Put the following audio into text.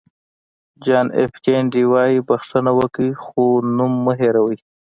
جان اېف کینېډي وایي بښنه وکړئ خو نوم مه هېروئ.